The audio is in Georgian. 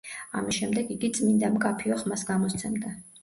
ამის შემდეგ იგი წმინდა, მკაფიო ხმას გამოსცემდა.